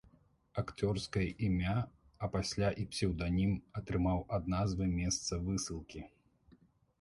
Акцёрскае імя, а пасля і псеўданім, атрымаў ад назвы месца высылкі.